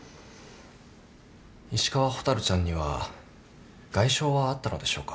石川蛍ちゃんには外傷はあったのでしょうか？